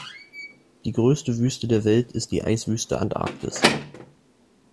Die größte Wüste der Welt ist die Eiswüste Antarktis.